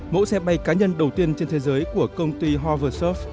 mẫu xe bay cá nhân đầu tiên trên thế giới của công ty hoversurf